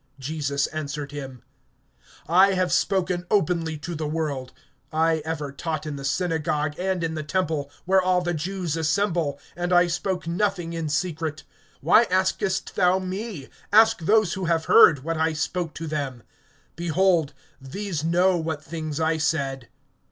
(20)Jesus answered him: I have spoken openly to the world; I ever taught in the synagogue, and in the temple, where all the Jews assemble; and I spoke nothing in secret. (21)Why askest thou me? Ask those who have heard, what I spoke to them. Behold, these know what things I said.